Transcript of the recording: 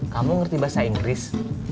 kamu ngerti bahasa inggris